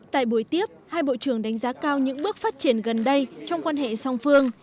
tại buổi tiếp hai bộ trưởng đánh giá cao những bước phát triển gần đây trong quan hệ song phương